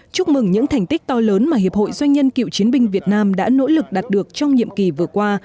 chúc mừng những thành tích to lớn mà hiệp hội doanh nhân cựu chiến binh việt nam đã nỗ lực đạt được trong nhiệm kỳ vừa qua